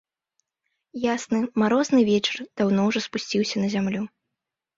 Ясны марозны вечар даўно ўжо спусціўся на зямлю.